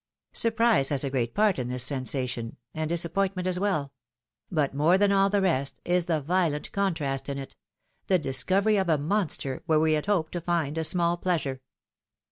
Surprise has a great part in this sensation, and dis appointment as well; but more than all the rest, is the violent contrast in it — the discovery of a monster, where we had hoped to find a small pleasure.